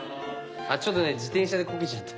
ちょっとね自転車でコケちゃって。